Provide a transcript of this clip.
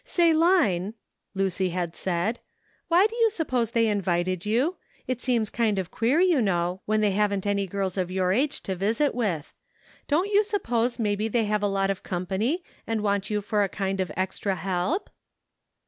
"Say, Line," Lucy had said, "why do you suppose they invited you? It seems kind of queer, you know, when they haven't any girls of your age to visit with. Don't you suppose maybe they have a lot of company and want you for a kind of extra help?"